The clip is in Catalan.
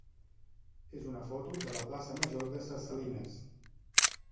és una foto de la plaça major de Ses Salines.